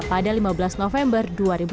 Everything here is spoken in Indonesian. pada lima belas november dua ribu tujuh belas